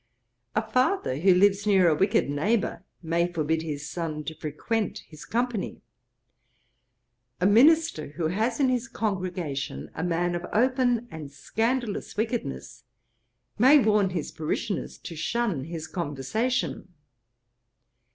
A father who lives near a wicked neighbour, may forbid a son to frequent his company. A minister who has in his congregation a man of open and scandalous wickedness, may warn his parishioners to shun his conversation.